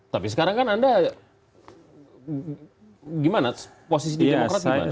tapi sekarang kan anda gimana posisi di demokrat gimana